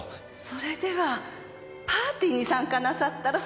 それではパーティーに参加なさったら？